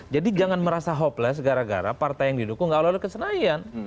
jadi jangan merasa hopeless gara gara partai yang didukung nggak lulus kesenayan